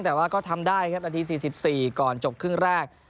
แต่ว่าก็ทำได้ครับนาที๔๔ก่อนจบครึ่งแรก